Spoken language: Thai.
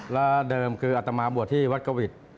และเดิมคืออัตมาบัวที่วัดกวิจ